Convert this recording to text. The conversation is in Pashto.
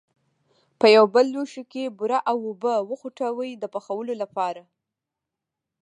په یو بل لوښي کې بوره او اوبه وخوټوئ د پخولو لپاره.